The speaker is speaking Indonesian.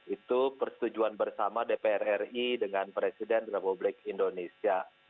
itu persetujuan bersama dpr ri dengan presiden republik indonesia